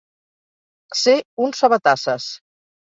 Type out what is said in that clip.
Ser un sabatasses.